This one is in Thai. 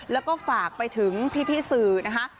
แล้วก็ฝากไปถึงพี่สื่อนะคะ